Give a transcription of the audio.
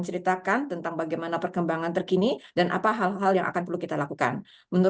kepatuhan tadi ada pertanyaan kepatuhan